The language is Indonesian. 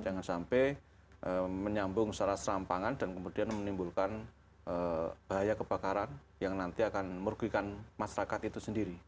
jangan sampai menyambung secara serampangan dan kemudian menimbulkan bahaya kebakaran yang nanti akan merugikan masyarakat itu sendiri